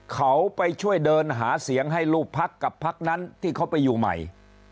เขาไปช่วยเดินหาเสียงให้ลูกพักกับพักนั้นที่เขาไปอยู่ใหม่